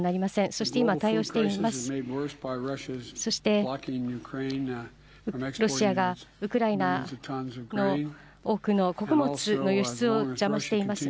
そしてロシアがウクライナの多くの穀物の輸出を邪魔しています。